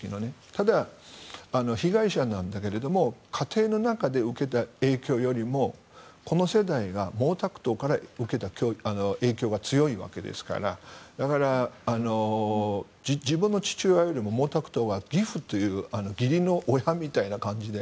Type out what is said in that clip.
ただ、被害者なんだけども家庭の中で受けた影響よりもこの世代が毛沢東から受けた影響が強いわけですからだから、自分の父親よりも毛沢東は義父義理の親みたいな感じで。